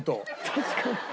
確かに。